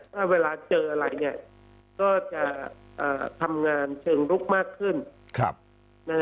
ถ้าเวลาเจออะไรเนี่ยก็จะทำงานเชิงลุกมากขึ้น